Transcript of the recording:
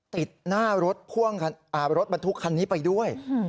ติดหน้ารถพ่วงรถบรรทุกคันนี้ไปด้วย